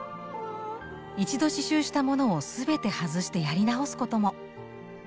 一度刺しゅうしたものを全て外してやり直すことも。